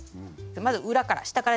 まず裏から下から。